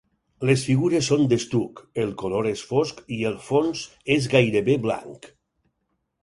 Les figures són d'estuc, el color és fosc i el fons és gairebé blanc.